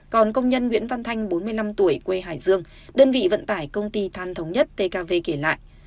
còn công nhân nguyễn văn thanh bốn mươi năm tuổi quê hải dương đơn vị vận tải công ty than thống nhất tkv kể lại